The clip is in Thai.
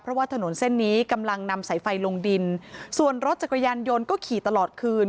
เพราะว่าถนนเส้นนี้กำลังนำสายไฟลงดินส่วนรถจักรยานยนต์ก็ขี่ตลอดคืน